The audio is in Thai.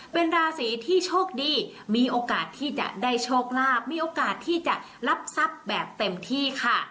เป็นราศีที่โชคดีมีโอกาสที่จะได้โชคลาภมีโอกาสที่จะรับทรัพย์แบบเต็มที่ค่ะ